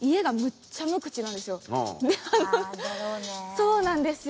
そうなんですよ。